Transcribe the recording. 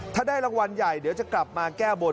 ถ้าได้รางวัลใหญ่เดี๋ยวจะกลับมาแก้บน